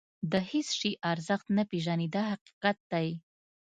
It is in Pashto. د هېڅ شي ارزښت نه پېژني دا حقیقت دی.